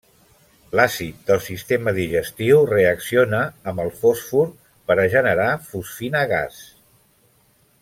L'àcid del sistema digestiu reacciona amb el fosfur per a generar fosfina gas.